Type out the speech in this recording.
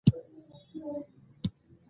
په ځانکدن خپله خاوره یادوي.